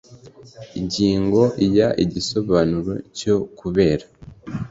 Ingingo ya Igisobanuro cyo kubera